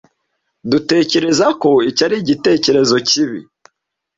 Dutekereza ko icyo ari igitekerezo kibi.